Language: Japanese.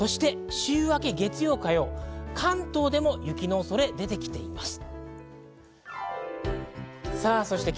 週明け月曜火曜、関東でも雪の恐れが出てきています。